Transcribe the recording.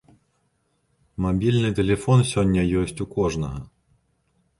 Мабільны тэлефон сёння ёсць у кожнага.